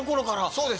そうです。